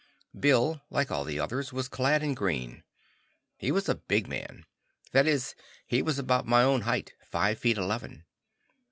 Bill, like all the others, was clad in green. He was a big man. That is, he was about my own height, five feet eleven.